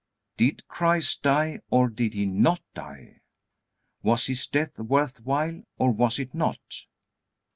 Did Christ die, or did He not die? Was His death worth while, or was it not?